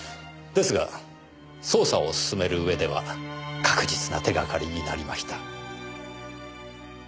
ですが捜査を進める上では確実な手がかりになりました。